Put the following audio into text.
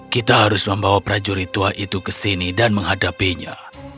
kita harus membawa prajurit tua itu ke sini dan menghadapinya